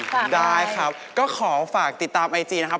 ได้ครับก็ขอฝากติดตามไอจีนะครับ